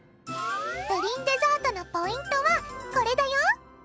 プリンデザートのポイントはこれだよ！